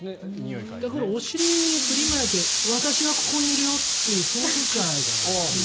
これ、お尻振って私はここにいるよってそういうことじゃないかなという。